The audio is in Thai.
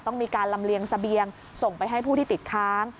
ต้องมีการลำเลียงเสบียงส่งไปให้ผู้ที่ติดค้าง